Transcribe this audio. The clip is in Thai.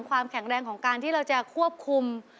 ความแข็งแรงของการที่เราจะควบคุม